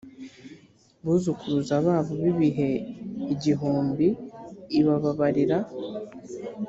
buzukuruza babo b ibihe igihumbi ibababarira